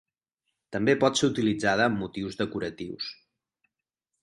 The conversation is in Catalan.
També pot ser utilitzada amb motius decoratius.